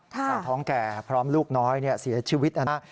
สาวท้องแก่พร้อมลูกน้อยเสียชีวิตนะครับ